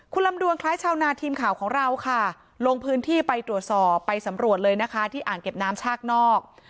คุณลำดวนคล้ายชาวนาทีมข่าวของเราค่ะลงพื้นที่ไปตรวจสอบไปสำรวจเลยนะคะที่อ่างเก็บน้ำชากนอก